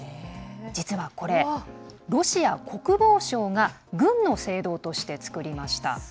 実はこれ、ロシア国防省が軍の聖堂として作りました。